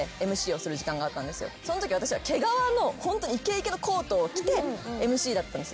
そんとき私は毛皮のイケイケのコートを着てＭＣだったんです。